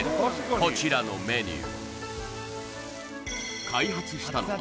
こちらのメニュー